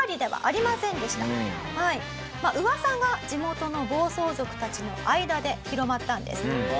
噂が地元の暴走族たちの間で広まったんです。